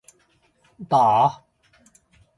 打